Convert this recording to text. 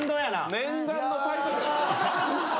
念願のタイトル！